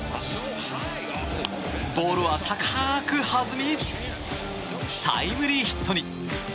ボールは高く弾みタイムリーヒットに。